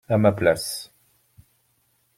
À ma place.